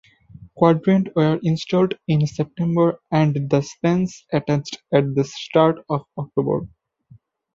Quadrants were installed in September and the spans attached at the start of October.